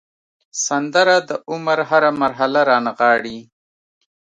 سندره د عمر هره مرحله رانغاړي